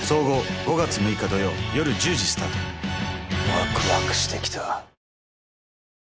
ワクワクしてきた。